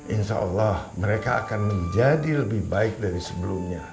insya allah mereka akan menjadi lebih baik dari sebelumnya